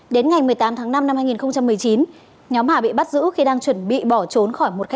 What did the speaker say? đến ngày một mươi tám tháng năm năm hai nghìn một mươi chín nhóm hà bị bắt giữ khi đang chuẩn bị bỏ trốn